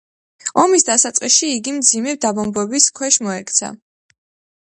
ომის დასაწყისში იგი მძიმე დაბომბვების ქვეშ მოექცა.